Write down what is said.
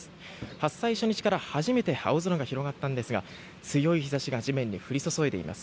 発災初日から初めて青空が広がったんですが強い日差しが地面に降り注いでいます。